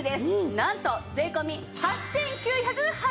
なんと税込８９８０円です。